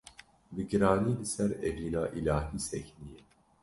bi giranî li ser evîna îlahî sekinîye.